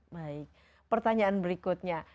baik pertanyaan berikutnya